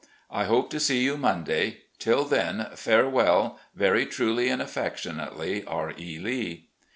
I hope to see you Monday. Till then, farewell. " Very truly and affectionately, "R. E. Lee."